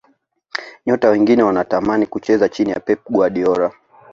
nyota wengi wanatamani kucheza chini ya pep guardiola